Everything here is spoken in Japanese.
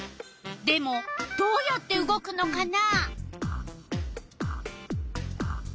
でもどうやって動くのかな？